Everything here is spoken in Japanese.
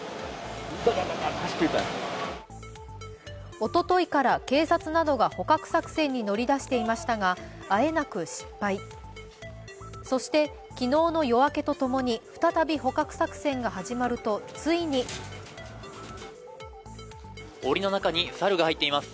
おとといから警察などが捕獲作戦に乗り出していましたがあえなく失敗そして昨日の夜明けとともに再び捕獲作戦が始まると、ついにおりの中に猿が入っています。